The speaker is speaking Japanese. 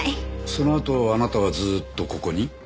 そのあとあなたはずっとここに？